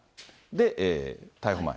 で、逮捕前。